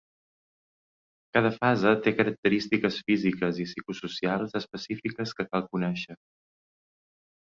Cada fase té característiques físiques i psicosocials específiques que cal conèixer.